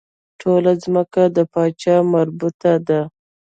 ټوله ځمکه د پاچا مربوط ده.